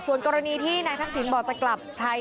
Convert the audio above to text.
ส่วนกรณีที่นายทักษิณบอกจะกลับไทย